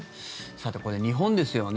さて、日本ですよね。